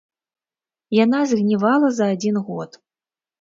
Яна згнівала за адзін год.